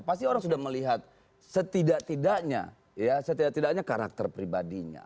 pasti orang sudah melihat setidak tidaknya karakter pribadinya